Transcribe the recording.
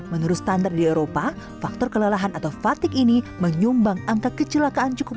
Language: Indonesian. menurut standar di eropa faktor kelelahan atau fatigue ini menyumbang angka kecelakaan cukup